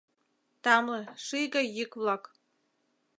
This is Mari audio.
Тамле, ший гай йӱк-влак!